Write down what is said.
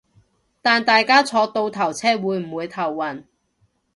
但大家坐倒頭車會唔會頭暈